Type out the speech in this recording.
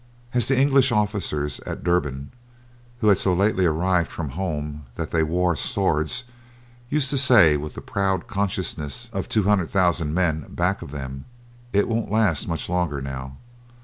As the English officers at Durban, who had so lately arrived from home that they wore swords, used to say with the proud consciousness of two hundred thousand men back of them: "It won't last much longer now.